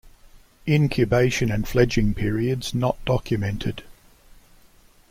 Incubation and fledging periods not documented.